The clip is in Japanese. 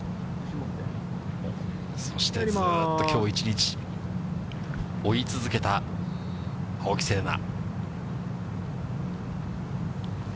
そしてずっときょう一日、追い続けた青木瀬令奈。